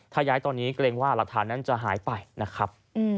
ถ้าย้ายตอนนี้เกรงว่าหลักฐานนั้นจะหายไปนะครับ